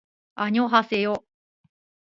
あにょはせよ